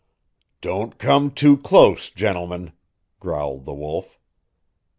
"Don't come too close, gentlemen," growled the Wolf.